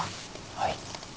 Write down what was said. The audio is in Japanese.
はい。